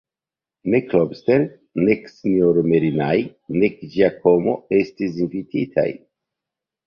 Nek Lobster, nek S-ro Merinai, nek Giacomo estis invititaj.